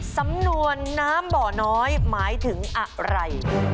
สำนวนน้ำบ่อน้อยหมายถึงอะไร